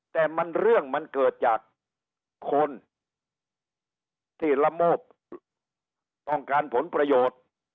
แต่มันเรื่องมันเกิดจากคนที่ละโมบต้องการผลประโยชน์